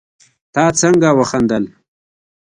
تا څنګه وخندل